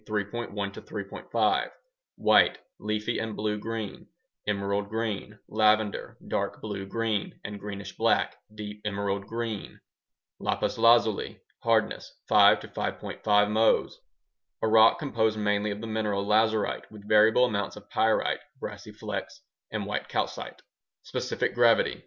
5 White, leafy and blue green, emerald green, lavender, dark blue green and greenish black, deep emerald green Lapis lazuli (hardness: 5 5.5 Mohs) A rock composed mainly of the mineral lazurite with variable amounts of pyrite (brassy flecks) and white calcite Specific gravity: 2.